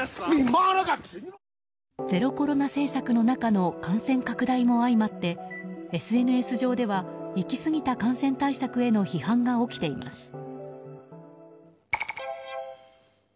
ゼロコロナ政策の中の感染拡大も相まってＳＮＳ上では行き過ぎた感染対策への批判が起きています。